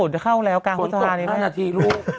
ติดติดติดตกอยู่ตรงนี้๕นาที